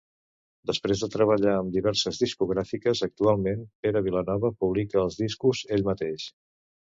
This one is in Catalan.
Després de treballar amb diverses discogràfiques, actualment Pere Vilanova publica els discos ell mateix.